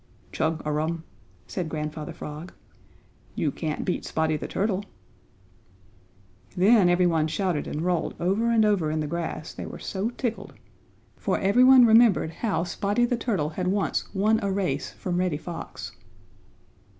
"Chug a rum," said Grandfather Frog. "You can't beat Spotty the Turtle." Then everyone shouted and rolled over and over in the grass, they were so tickled, for every one remembered how Spotty the Turtle had once won a race from Reddy Fox.